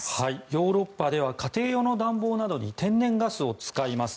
ヨーロッパでは家庭用の暖房などに天然ガスを使います。